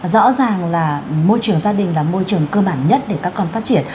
rõ ràng là môi trường gia đình là môi trường cơ bản nhất để các con phát triển